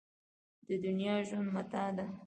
د دنیا ژوند متاع ده.